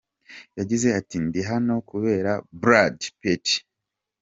Yagize ati, “Ndi hano kubera Brad Pitt.